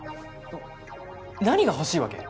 何が欲しいわけ？